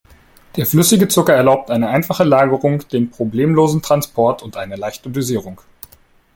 Der flüssige Zucker erlaubt eine einfache Lagerung, den problemlosen Transport und eine leichte Dosierung.